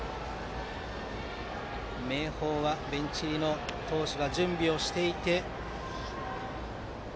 明豊はベンチ入りの投手が準備をして。